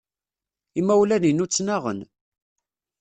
Imawlan-inu ttnaɣen.